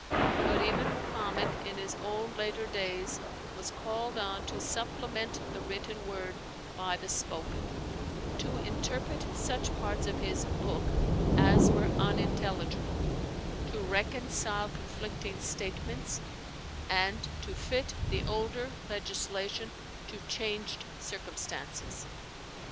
But even Muhammad in his own later days was called on to supplement the written word by the spoken, to interpret such parts of his "book" as were unintelligible, to reconcile conflicting statements, and to fit the older legislation to changed circumstances.